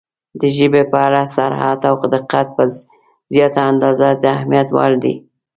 • د ژبې په اړه صراحت او دقت په زیاته اندازه د اهمیت وړ دی.